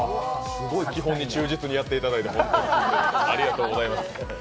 基本に忠実にやっていただいてありがとうございます。